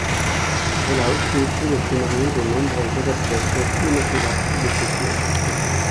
Elle a aussi écrit le scénario de nombreuses adaptations cinématographiques de ses pièces.